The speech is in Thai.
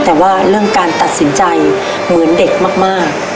แต่ว่าเรื่องการตัดสินใจเหมือนเด็กมาก